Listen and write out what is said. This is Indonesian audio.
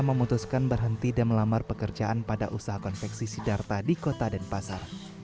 memutuskan berhenti dan melamar pekerjaan pada usaha konveksi sidarta di kota denpasar